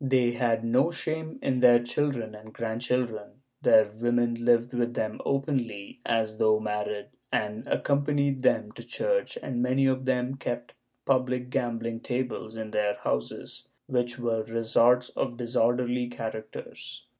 They had no shame in their children and grandchildren; their women lived with them openly, as though married, and accompanied them to church, and many of them kept public gam ing tables in their houses, which were resorts of disorderly charac ters.